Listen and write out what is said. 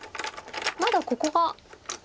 まだここが。